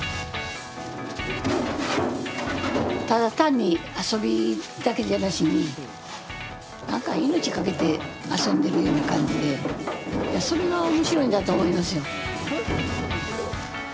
ただ単に遊びだけじゃなしに何か命かけて遊んでるような感じでそれが面白いんだと思いますよ。